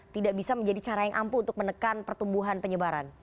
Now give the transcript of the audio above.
tidak bisa menjadi cara yang ampuh untuk menekan pertumbuhan penyebaran